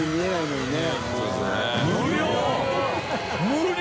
無料！？